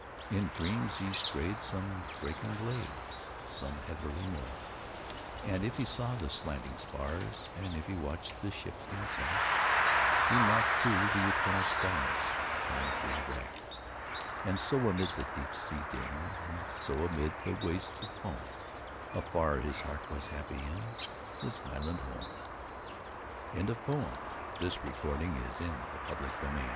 In dreams he strayed some brackened glade, Some heathery moor. And if he saw the slanting spars, And if he watched the shifting track, He marked, too, the eternal starsShine through the wrack. And so amid the deep sea din, And so amid the wastes of foam, Afar his heart was happy inHis highland home! Contents BIBLIOGRAPHIC RECORD Previous Article Next Article Shakespeare Bible S